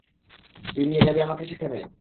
তুই নিয়ে যাবি আমাকে সেখানে?